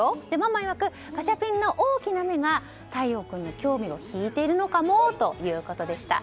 ママいわく、ガチャピンの大きな目が大耀君の興味を引いているのかもということでした。